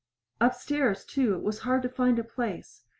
Upstairs, too, it was hard to find a place.